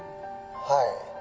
はい